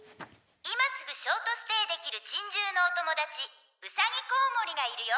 「今すぐショートステイできる珍獣のお友達ウサギコウモリがいるよ」